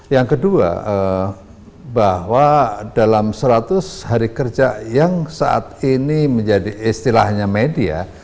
yang kedua bahwa dalam seratus hari kerja yang saat ini menjadi istilahnya media